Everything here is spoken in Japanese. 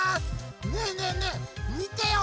ねえねえねえみてよ